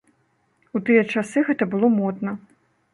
У тыя часы гэта было модна.